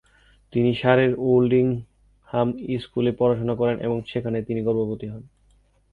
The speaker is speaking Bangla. তিনি সারের ওল্ডিংহাম স্কুলে পড়াশোনা করেন এবং সেখানে তিনি গর্ভবতী হন।